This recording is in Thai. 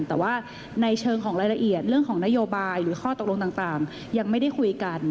แต่ว่าในเชิงของรายละเอียดเรื่องของนโยบายหรือข้อตกลงต่างยังไม่ได้คุยกัน